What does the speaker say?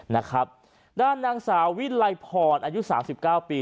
นะครับด้านนางสาววิลัยพรอายุสามสิบเก้าปี